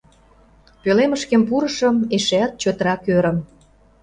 Пӧлемышкем пурышым — эшеат чотрак ӧрым.